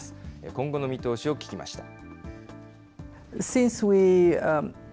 今後の見通しを聞きました。